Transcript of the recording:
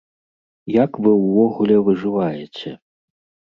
Як вы ўвогуле выжываеце?